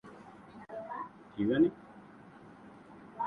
জ্যেষ্ঠ শিক্ষকের মন্তব্য কি?